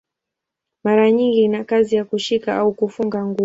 Mara nyingi ina kazi ya kushika au kufunga nguo.